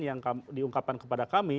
yang diungkapkan kepada kami